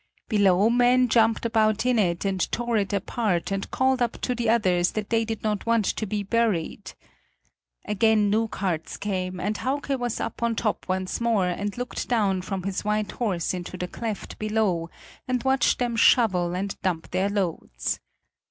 Below men jumped about in it and tore it apart and called up to the others that they did not want to be buried. Again new carts came, and Hauke was up on top once more, and looked down from his white horse into the cleft below and watched them shovel and dump their loads.